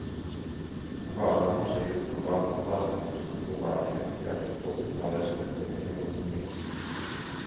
Uważam, że jest to bardzo ważne sprecyzowanie, w jaki sposób należy tę kwestię rozumieć